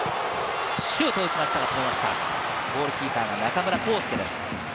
シュートを打ちましたが、ゴールキーパーの中村航輔です。